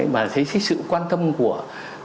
và thấy sự quan tâm của